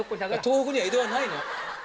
東北には江戸はないの！